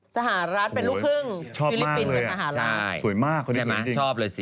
สหรัฐเป็นลูกครึ่งฟิลิปปินส์กับสหรัฐ